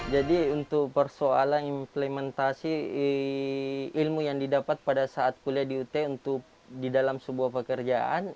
jadi untuk persoalan implementasi ilmu yang didapat pada saat kuliah di ut untuk di dalam sebuah pekerjaan